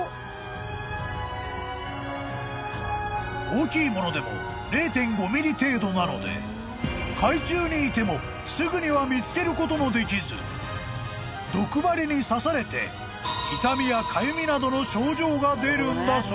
［大きいものでも０．５ｍｍ程度なので海中にいてもすぐには見つけることもできず毒針に刺されて痛みやかゆみなどの症状が出るんだそう］